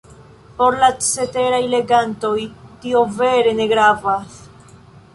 Por la ceteraj legantoj, tio vere ne gravas.